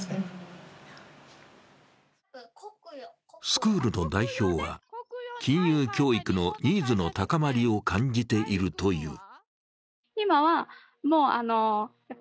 スクールの代表は、金融教育のニーズの高まりを感じているという。